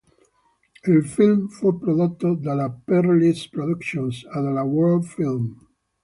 Il film fu prodotto dalla Peerless Productions e dalla World Film.